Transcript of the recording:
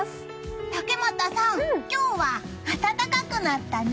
竹俣さん、今日は暖かくなったね。